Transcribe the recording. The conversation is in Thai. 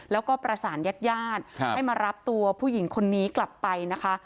แล้วก็ประสานญาติญาติให้มารับตัวผู้หญิงคนนี้กลับไปนะคะ